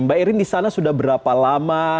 mbak irin di sana sudah berapa lama